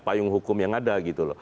payung hukum yang ada gitu loh